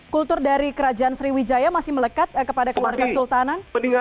kultur dari kerajaan sriwijaya masih melekat kepada keluarga kesultanan